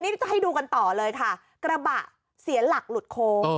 นี่จะให้ดูกันต่อเลยค่ะกระบะเสียหลักหลุดโค้ง